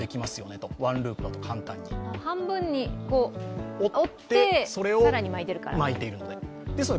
半分に折って、それを更に巻いているから。